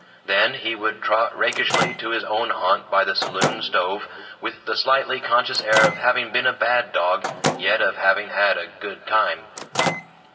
Then he would trot rakishly to his own haunt by the saloon stove, with the slightly conscious air of having been a bad dog, yet of having had a good time.